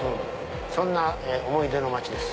そんな思い出の街です。